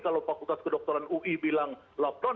kalau fakultas kedokteran ui bilang lockdown